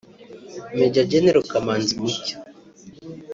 Maj Gen Kamanzi Mushyo